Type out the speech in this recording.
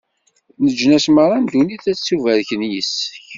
Leǧnas meṛṛa n ddunit ad ttubarken yis-k.